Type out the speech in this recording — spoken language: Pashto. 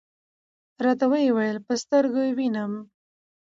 راته وې ویل: په سترګو یې وینم .